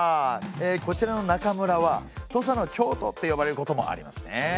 こちらの中村は土佐の京都って呼ばれることもありますね。